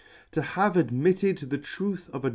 To have admitted the truth of a.